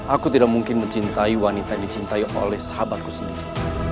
aku tidak mungkin mencintai wanita yang dicintai oleh sahabatku sendiri